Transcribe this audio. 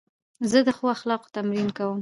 زه د ښو اخلاقو تمرین کوم.